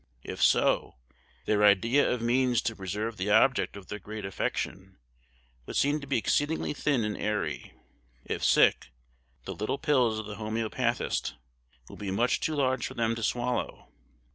If so, their idea of means to preserve the object of their great affection would seem to be exceedingly thin and airy. If sick, the little pills of the homoeopathist would be much too large for them to swallow.